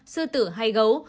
sư tử hay gấu